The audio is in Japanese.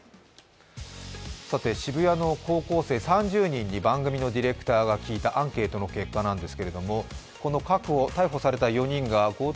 渋谷の高校生３０人に番組のディレクターが聞いたアンケートの結果です。